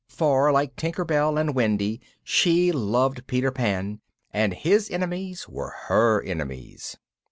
For, like Tinker Bell and Wendy, she loved Peter Pan, and his enemies were her enemies.